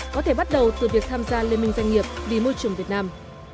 có thể bắt đầu từ việc tham gia liên minh doanh nghiệp vì môi trường việt nam